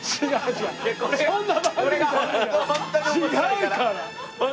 違うから！